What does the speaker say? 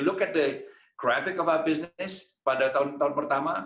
dan jika anda melihat grafik bisnis kita pada tahun pertama